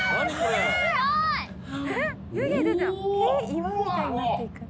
岩みたいになっていく。